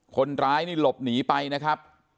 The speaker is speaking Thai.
คนร้ายนี่หลบหนีไปนะครับ